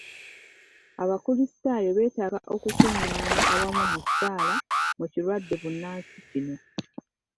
Abakulisitaayo beetaaga okukungaana awamu mu ssaala mu kirwadde bbunansi kino.